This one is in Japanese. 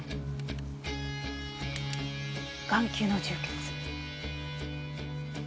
眼球の充血。